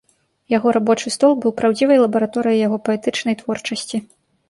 Яго рабочы стол быў праўдзівай лабараторыяй яго паэтычнай творчасці.